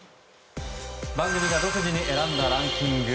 番組が独自に選んだランキング。